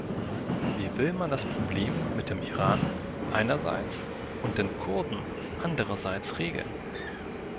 Wie will man das Problem mit dem Iran einerseits und den Kurden andererseits regeln?